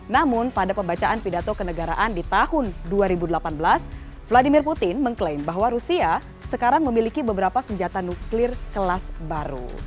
namun pada pembacaan pidato kenegaraan di tahun dua ribu delapan belas vladimir putin mengklaim bahwa rusia sekarang memiliki beberapa senjata nuklir kelas baru